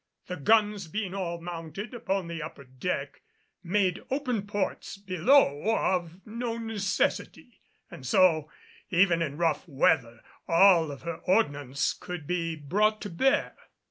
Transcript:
The guns being all mounted upon the upper deck, made open ports below of no necessity; and so, even in rough weather, all of her ordnance could be brought to bear.